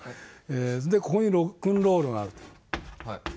ここに「ロックンロール」があると。